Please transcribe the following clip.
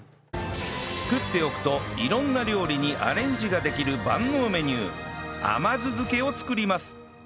作っておくと色んな料理にアレンジができる万能メニュー甘酢漬けを作ります